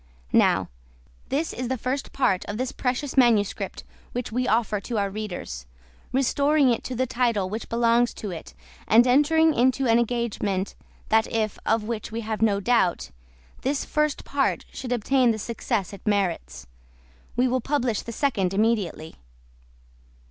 Now, this is the first part of this precious manuscript which we offer to our readers, restoring it to the title which belongs to it, and entering into an engagement that if (of which we have no doubt) this first part should obtain the success it merits, we will publish the second immediately.